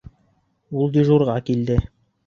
Ул дежурға килде.